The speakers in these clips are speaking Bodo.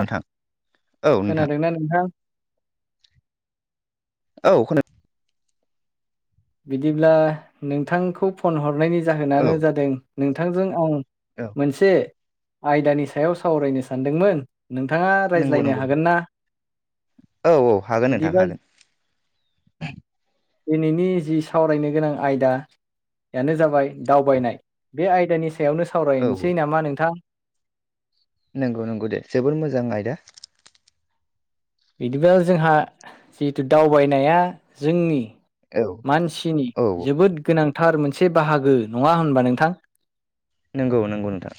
नोंथां औ नोंथां खोनादोंना नोंथां? औ खोना बिदिब्ला नोंथांखौ फन हरनायनि औ जाहोनानो जादों नोंथांजों आं औ मोनसे आयदानि सायाव सावरायनो सानदोंमोन। नोंथाङा नंगौ रायज्लायनो नंगौ हागोन नोंथां ना? औ औ हागोन नोंथां बिदिबा हागोन [unintelligible] दिनैनि जि सावरायनो गोनां आयदायानो जाबाय औ दावबायनाय बे आयदानि सा- सायावनो औ औ सावरायनोसै नामा नोंथां। नंगौ नंगौ दे जोबोर मोजां आयदा बिदिब्ला जोंहा जिहेथु दावबायनाया जोंनि औ मानसिनि औ जोबोद गोनांथि। थार मोनसे बाहागो नङा होनबा नोंथां? नंगौ नंगौ नोंथां।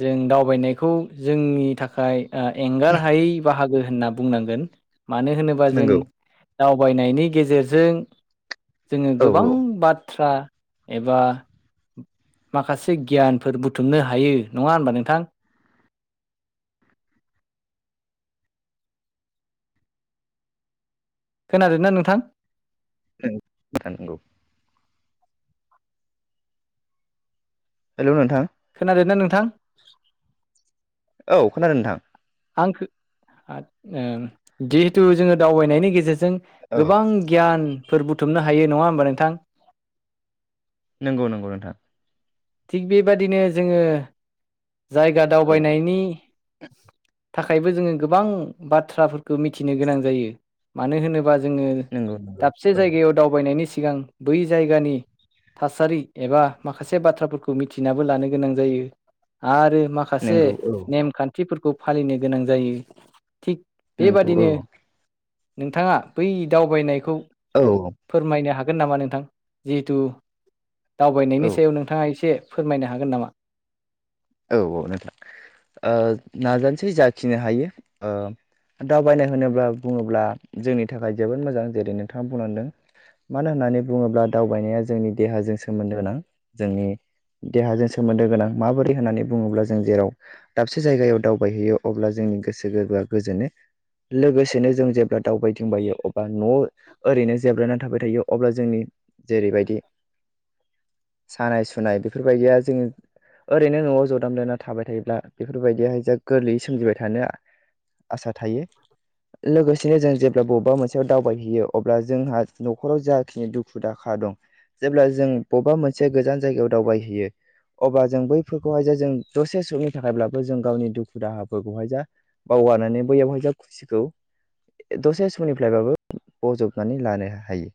जों दावबायनायखौ जोंनि थाखाय आ एंगार हायै बाहागो। बो होनना बुंनांगोन मानो होनोबा जों नंगौ दावबायनायनि गेजेरजों जोङो औ गोबां बाथ्रा एबा माखासे गियानफोर बुथुमनो हायो नङा होनबा नोंथां? खोनादों ना नोंथां? नों थां नंगौ। हेल' नोंथां। खोनादों ना नोंथां? औ खोनादों नोंथां। आंखौ जिहेथु जोङो दावबायनायनि गेजेरजों औ जों गोबां गियानफोर बुथुमनो हायो नङा होमबा नोंथां? नंगौ नंगौ नोंथां। थिग बेबादिनो जोङो जायगा औ दावबायनायनि थाखायबो जोङो गोबां बाथ्राफोरखौ मिथिनो गोनां जायो मानो होनोबा जों जोङो नंगौ नंगौ दाबसे औ जायगायाव दावबायनायनि सिगां बै जायगानि थासारि एबा माखासे बाथ्राफोरखौ मिथिनाबो लानो गोनां जायो। आरो माखासे नंगौ औ नेमखान्थिफोरखौ फालिनो गोनां जायो। थिग नंगौ औ बेबादिनो नोंथाङा बै दावबायनायखौ औ फोरमायनो हागोन नामा नोंथां जिहेथु दावबायनायनि सायाव नोंथाङा एसे फोरमायनो हागोन नामा? औ औ नोंथां ओ नाजानोसै जाखिनो हायो ओ दावबायनाय होनोब्ला बुङोब्ला जोंनि थाखाय जोबोद मोजां जेरै नोंथाङा बुंलांदों मानो होननानै बुङोब्ला दावबायनाया जोंनि देहाजों सोमोन्दो गोनां जोंनि देहाजों सोमोन्दो गोनां माबोरै होननानै बुङोब्ला जों जेराव दाबसे जायगायाव दावबायहैयो अब्ला जोंनि गोसो गोरबोआ गोजोनै लोगोसेनो जों जेब्ला दावबायथिंबायो अब्ला न' ओरैनो जेब्लायनानै थाबाय थायो अब्ला जोंनि जेरैबायदि [inaudible] सानाय सुनाय बेफोरबायदिया जोङो ओरैनो न'आव जदाम ब्लेना थाबाय थायोब्ला बेफोरबायदिहाय जा गोरलैयै सोमजिबाय थानो आसा थायो। लोगोसेनो जों जेब्ला बबेबा मोनसेयाव दावबायहैयो अब्ला जोंहा न'खराव जाखिनि दुखु दाहा दं जेब्ला जों बबेबा मोनसे गोजान जायायाव दावबाय हौयो अब्ला जों बै बेफोरखौहाय ज जों दसे समनि थाखायब्लाबो जों गावनि दुखु दाहाफोरखौहाय ज बावगारनानै बैयावहाय खुसिखौ दसे समनिफ्रायबाबो बजबनानै लानो हायो‌‌।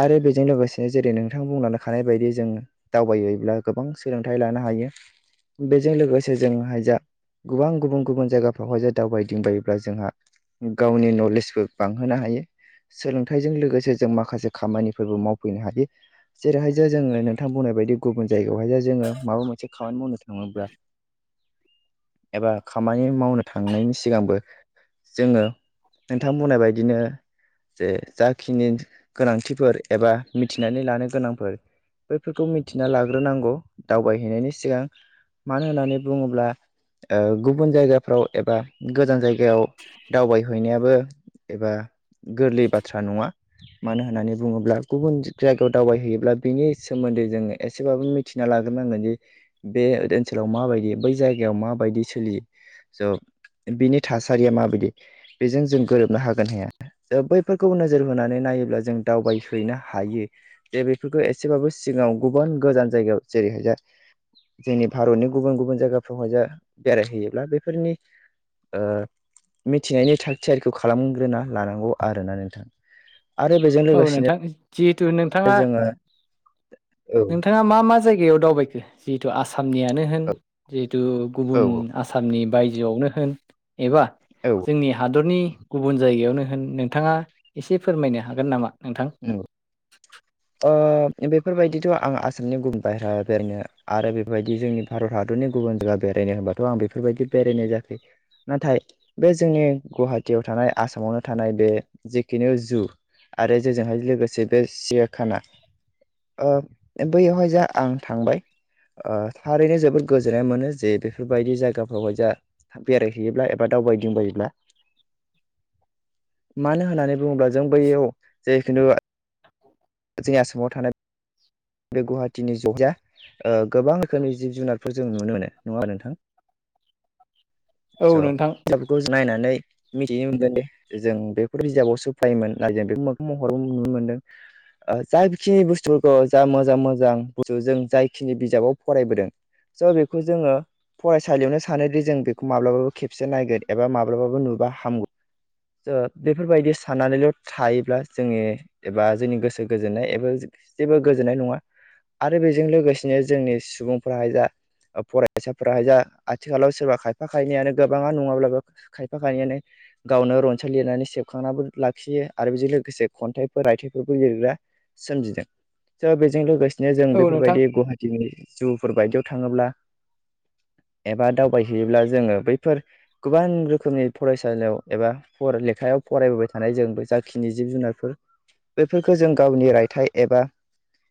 आरो बेजों लोगोसेनो जेरै नोंथां बुंलांखानाय बायदि जों दावबायोब्ला गोबां सोलोंथाइ लानो हायो। बेजों लोगोसे जोंहाय जा गोबां गुबुन गुबुन जायगाफ्रावहाय जों दावबायदिंबायोब्ला जोंहा गावनि नलेजबो बांहोनो हायो। सोलोंथाइजों लोगोसे जों माखासे खामानिफोरबो मावफैनो हायो। जेरैहाय जे जोङो नोंथां बुंनाय बायदि गुबुन जायगायावहाय जोङो माबा मोनसे [inaudible] [inaudible] एबा खामानि मावनो थांनायनि सिगांबो जोङो नोंथां बुंनाय बायदिनो जे जाखिनि गोनांथिफोर एबा मिथिनानै लानो गोनांफोर बैफोरखौ मिथिना लाग्रोनांगौ दावबायहैनायनि सिगां मानो होननानै बुङोब्ला गुबुन जायगाफ्राव एबा गोजान जायगायाव दावबायहैनायाबो एबा गोरलै बाथ्रा नङा। मानो होननानै बुङोब्ला गुबुन जायगायाव दावबायहैयोब्ला बिनि सोमोन्दै जोङो एसेबाबो मिथिनो लाग्रोनांगोन जे बे ओनसोलाव माबायदि बै जायगायाव माबायदि सोलियो जुग बिनि थासारिया माबायदि बेजों जों गोरोबनो हागोन ना हाया जों बैफोरखौ नोजोर होनानै न नायोब्ला जों दावबायहैनो हायो जे बेफोरखौ एसेबाबो सिगाङाव गुबुन गोजान जायगायाव जेरै जोंनि भारतनि गुबुन गुबुन जायगाफ्रावहाय जा बेरायहैयोब्ला बेफोरनि ओ मिथिनायनि थाग थियारिखौ खालामग्रोना लानांगौ आरोना नोंथां। आरो बेजों लोगोसेनो। जिहेतु नोंथाङा जोङो औ नोंथाङा मा मा जायगायाव दावबायखो? जिहेथु आसाम आसामनियानो होन जिहेतु औ गुबुन आसामनि बायजोआवनो होन एबा औ जोंनि हादरनि गुबुन जायगायावनो होन। नोंथाङा एसे फोरमायनो - हागोन नामा? नोंथां? नोंगौ ओ बे- बेफोरबायदिथ' आं आसामनि गुबुन बाहेरा बेरायनो आरो बेफोरबायदि जोंनि भारत हादरनि गुबुन जायगा बेरायनो होन होनबाथ' आं बेफोरबायदि बेरायनाय जायाखै। नाथाय बे जोंनि गुवाहाटियाव थानाय आसामावनो थानाय बे जेखिनि जु आरो जेजोंहाय लोगोसे बे सिराखाना ओ बैयावहाय जा आं थांबाय ओ थारैनो जोबोद गोजोननाय मोनो जे बेफोरबायदि जायगाफ्रावहाय जा बेरायहैयोब्ला एबा दावबायदिंबायोब्ला [inaudible] मानो होननानै बुङोब्ला जों बैयाव जे खिनु जोंनि आसामाव थानाय बे गुवाहाटीनि सायदजा गोबां रोखोमनि जिब जुनारफोर जों नुनो मोनो । नङा होनबा नोंथां? [inaudible] औ स नोंथां बेफोरखौ जों नायनानै मिथिनो मोनगोन दे जों बेखौ बिजाबआव सो फायोमोन ना जों बेखौ मोखां महराव नुनो मोनदों। जा बिखिनि बुस्थुफोरखौ जा मोजां मोजां बु जों जायखिनि बिजाबाव फरायबोदों स' बेखौ जोङो फरायसालियावनो सानोदि जों बेखौ माब्लाबाबो खेबसे नायगोन एबा माब्लाबाबो नुबा हामगौ बेफोरबायदि साननानैल' थायोब्ला जोनि एबा जोंनि गोसो गोजोननाय एबा जेबो गोजोननाय नङा । आरो बेजों लोगोसेनो जोंनि सुबुंफोराहाय जा फरायसाफ्रा जा आथिखालाव सोरबा खायफा खायनैानो गोबाङा नङाब्लाबो खायफा खायनैयानो गावनो रनसाय लिरनानै सेबखांनानैबो लाखियो आरो बेजों लोगोसे खन्थाइफोर रायथाइफोरबो लिरग्रा सोमजिदों स बेजों लोगोसेनो जों औ नोंथां बेफोरबायदि गुवाहाटिनि जुफोर बायदियाव थाङोब्ला [inaudible] एबा दावबायहैयोब्ला जोङो बैफोर गोबां रोखोमनि फरायसालियाव एबा फ लेखायाव फरायबोबाय थानाय जों जाखिनि जिब जुनारफोर बेफोरखौ जों गावनि रायथाइ एबा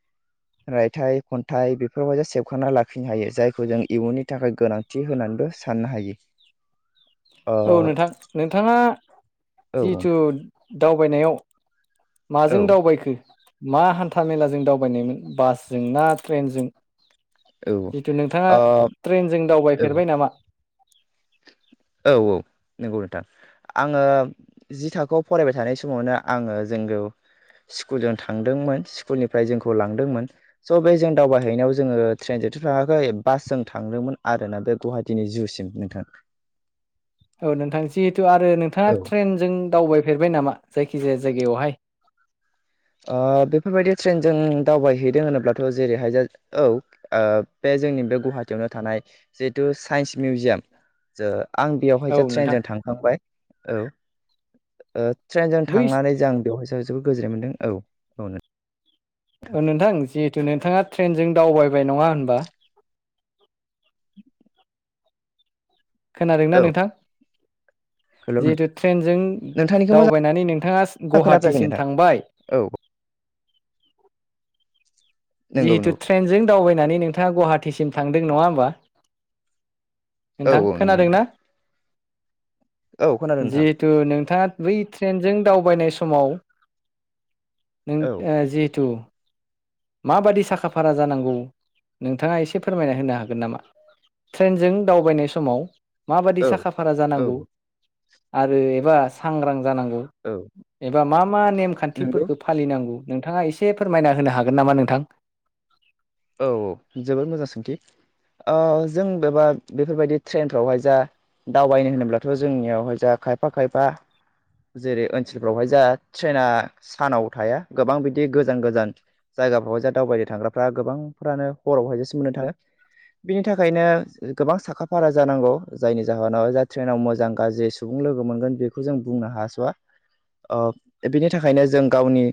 [inaudible] रायथाइ-खन्थाइ बेफोरबायदि सेबखांना लाखिनो हायो । जायखौ जों इयुननि थाखाय गोनांथि होनानैबो साननो हायो। [inaudible] ओ औ नोंथां । नोंथाङा औ जिथु नोंथां दावबायनायाव माजों औ दावबायखो? मा हान्था मेलाजों दावबायनायमोन बासजों ना ट्रेनजों? औ ओ जितु नोंथाङा ट्रेनजों औ दावबायफेरबाय नामा? औ औ नंगौ नोंथां आङो जि थाखोआव फरायबाय थानाय समावनो आङो जोंग स्कुल जों थांदोंमोन स्कुलनिफ्राय जोंखौ लांदोंमोन स' बे जों दावबायहैनायाव जोङो ट्रेनजों थ थाङाखै बासजों थांदोंमोन आरोना बे गुवाहाटिनि जुसिम नोंथां। औ नोंथां जिहेथु आरो नोंथाङा औ ट्रेनजों दावबायफेरबाय नामा जायखिजाया जायगायावहाय? ओ बेफोरबायदि ट्रेनजों दावबायहैदों होनोब्लाथ' जेरैहाय औ बे जोंनि बे गुवाहाटियावनो थानाय जिहेतु साइन्स मिउजियाम ज आं बेयावहाय औ जा नोंथां ट्रेनजों थांखांबाय औ ट्रेनजों बै थांनानै जों बेवहाय सायाव जोबोद गोजोननाय मोनदों औ औ औ नोंथां जिहेथु नोंथाङा ट्रेनजों दावबायबाय नङा होनबा? [inaudible] खोनादोंना औ नोंथां? हेल' जिहेथु ट्रेनजों नोंथांनिखौ मोजां दावबायनानै नोंथाङा खोनाफैयाखै गुवाहाटिसिम नोंथां थांबाय औ [inaudible] नंगौ जिहेतु नंगौ ट्रेनजों दावबायनानै नोंथाङा गुवाहाटिसिम थांदों नङा होमबा औ नोंथां औ नंगौ खोनादों नोंथां ना? औ खोनादों नोंथां जिहेथु नोंथाङा बै ट्रेनजों दावबायनाय समाव नों औ जिहेथु माबादि साखा फारा जानांगौ नोंथाङा एसे फोरमायना होनो हागोन नामा? ट्रेनजों दावबायनाय समाव मा बायदि औ साखा फारा औ जानांगौ आरो एबा सांग्रां जानांगौ औ एबा मा मा नंगौ नेमखान्थिफोरखौ फालिनांगौ नोंथाङा एसे फोरमायना होनो हा हागोन नामा नोंथां औ औ जोबोद मोजां सोंथि जों बेबा बेफोरबायदि ट्रेनफ्रावहाय जा दावबायनो होनोब्लाथ' जोंनियावहाय जाों खायफा खायफा जेरै ओनसोलफ्रावहाय जोंहा ट्रेना सानाव थाया गोबां बिदि गोजान गोजान जायगाफ्रावहाय दावबायनो थाग्राफ्रा गोबांफोरानो हरावहाय जसो मोननो थाङो बिनि थाखायनो गोबां साखा फारा जानांगौ जायनि जाहोनाव जा ट्रेनाव मोजां गाज्रि सुबुं लोग मोनगोन बे जों बुंनो हास'वा ओ बेनि थाखायनो जों गावनि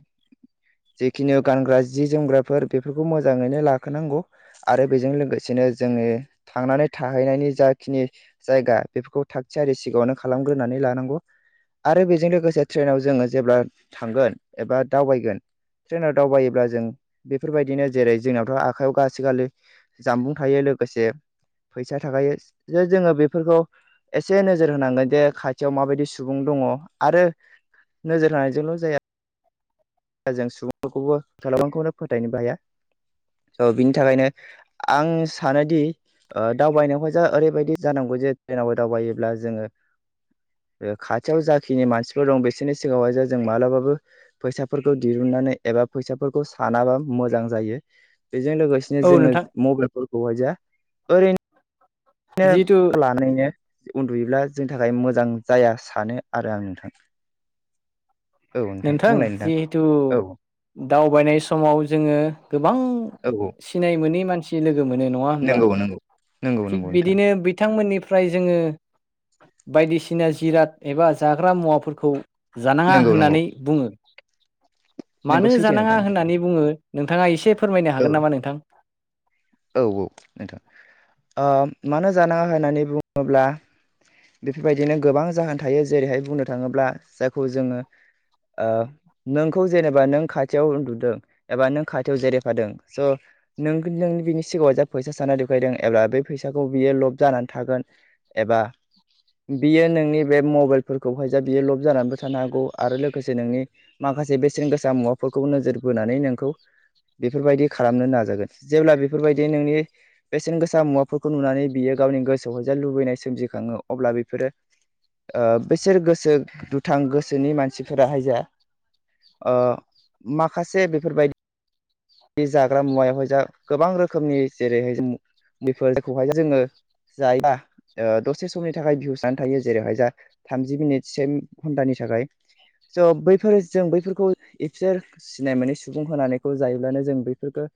जिखिनि गानग्रा जि जोमग्राफोर बेफोरखौ मोजां मोजाङैनो लाखोनांगौ आरो बेजों लोगोसेनो जोङो थांनानै थाहैनायनि जाखिनि जायगा बेफोरखौ थागथियारि सिगाङावनो खालामग्रोनानै लानांगौ आरो बेजों लोगोसे ट्रेनाव जोङो जेब्ला थांगोन एबा दावबायगोन ट्रेनाव दावबायोब्ला जों बेफोरबायदिनो जेरै जोंनावथ' आखाइयाव गासैखालि जामबुं थायो लोगोसे फैसा थाखायो जे जोङो बेफोरखौ एसे नोजोर होनांगोन जे खाथियाव माबायदि सुबुं दङ आरो नोजोर होनानायजोंल' जाया जों सुबुंफोरखौबो [unintelligible] फोथायनोबो हाया स' बिनि थाखायनो आं सानोदि दावबायनायावहाय जा ओरैबायदि जानांगौ जे ट्रेनावबो दावबायोब्ला जोङो खाथियाव जाखिनि मानसिफोर दं बिसोरनि सिगाङावहाय जे जों मालाबाबो फैसाफोरखौ दिरुन नानै एबा फैसाफोरखौ सानाबा मोजां जायो। बेजों लोगोसेनो औ जोङो नोंथां मबाइलफोरखौहाय जा ओरैनो जिहेथु बिनो लानायनो उन्दुयोब्ला जोंनि थाखाय मोजां जाया सानो आरो आं नोंथां नोंथां जिहेथु औ दावबायनाय समाव जोङो गोबां औ औ सिनाय मोनै मानसि लोगो मोनो नङा होनबा नंगौ नंगौ नंगौ थिग नंगौ नोंथां बिदिनो बिथांमोननि -फ्राय जोङो बायदिसिना जिराद एबा जाग्रा मुवाफोरखौ जानाङा नंगौ नंगौ होननानै बुङो। नोंगौ मानो सैथो जानाङा नोंथां होननानै बुङो नोंथाङा एसे फोरमायनो औ हागोन नामा नोंथां? औ औ नोंथां ओ मानो जानाङा होननानै बुङोब्ला बेफोरबायदिनो गोबां जाहोन थायो जेरैहाय बुंनो थाङोब्ला जायखौ जोङो ओ नोंखौ जेनेबा नों खाथियाव उन्दुदों एबा नों खाथियाव जेरायफादों स' नों नोंनि बेनि सिगाङाव जा फैसा साना देखायदों एब्ला बे फैसाखौ बियो लब जानानै थागोन एबा बियो नोंनि बे मबाइलफोरखौहाय जा बियो लब जानानैबो थानो हागौ आरो लोगोसे नोंनि माख माखासे बेसेन गोसा मुवाफोरखौ नोजोर बोनानै नोंखौ बेफोरबायदि खालामनो नाजागोन जेब्ला बे बेफोरबायदि नोंनि बेसेन गोसा मुवाफोरखौ नुनानै बियो गावनि गोसोआव जा लुबैनाय सोमजिखाङो अब्ला बिफोरो ओ बिसोर गोसो दुथां गोसोनि मानसिफोराहाय जा ओ माखासे बेफोरबायदि बे जाग्रा मुवायावहाय जा गोबां रोखोमनि जेरैहाय [unintelligible] खौहाय जोङो [unintelligible] ओ दसे समनि थाखाय भिउस जानानै थायो जेरैहाय जा थामजि मिनिट से घन्टानि थाखाय स' बैफोर जों बैफोरखौ एबसार सिनाय मोनै सुबुं होलांनायखौ जायोब्लानो जों बेफोरखो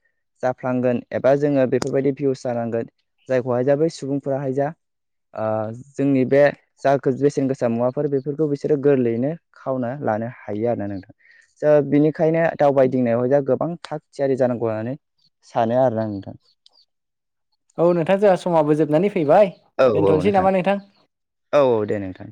जाफ्लांगोन एबा जोङो बेफोरबायदि भिउस जानांगोन जायखौहाय जा बै सुबुंफोराहाय जा आ जोंनि बे जा बेसेन गोसा मुवाफोर बेफोरखौ बिसोरो गोरलैयैनो खावना लानो हायो आरोना नोंथां स' बिनिखायनो दावबायदिंनायाव जा गोबां थाग थियारि जानांगौ होननानै सानो आरोना आं नोंथां। औ नोंथां जोंहा समाबो जोबनानै फै फैबाय औ औ दोनथ'नोसै नामा नोंथां? औ औ दे नोंथां